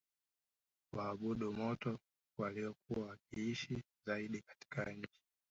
waabudu moto waliokuwa wakiishi zaidi katika nchi